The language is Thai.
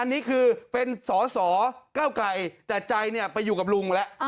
อันนี้คือเป็นสสเก้าไกรแต่ใจไปอยู่กับลุงแล้ว